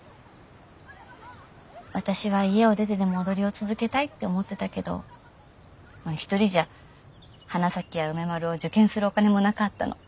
私は家を出てでも踊りを続けたいって思ってたけど一人じゃ花咲や梅丸を受験するお金もなかったの。